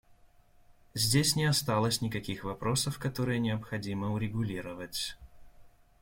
Здесь не осталось никаких вопросов, которые необходимо урегулировать.